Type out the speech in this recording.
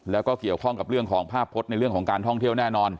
แล้วก็เกี่ยวข้องกับเรื่องของภาพพจน์ในเรื่องของการท่องเที่ยวแน่นอน